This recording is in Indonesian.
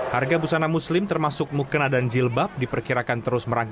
harga busana muslim termasuk mukena dan jilbab diperkirakan terus merangkak